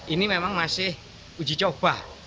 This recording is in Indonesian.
ini memang masih uji coba